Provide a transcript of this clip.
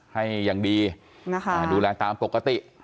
ให้อย่างดีนะคะดูแลตามปกติ